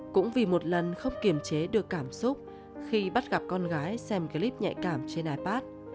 cũng vì một lần không kiểm chế được cảm xúc khi bắt gặp con gái xem clip nhạy cảm trên ipad